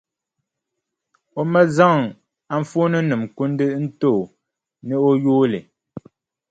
O ma zaŋ anfooninima kundi n-ti o, ni o yooi li.